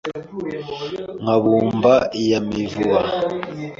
Nka Bumba ya Mivuba